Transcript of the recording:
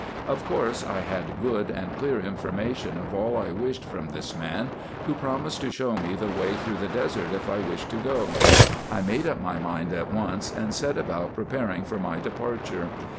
Of course I had good and clear information of all I wished from this man, who promised to show me the way through the desert, if I wished to go. I made up my mind at once, and set about preparing for my departure.